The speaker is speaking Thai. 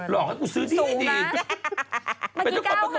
แต่เมื่อกี้มันสูงนะตำล่ะ